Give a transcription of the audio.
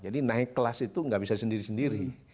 jadi naik kelas itu nggak bisa sendiri sendiri